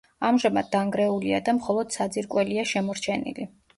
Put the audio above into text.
ამჟამად დანგრეულია და მხოლოდ საძირკველია შემორჩენილი.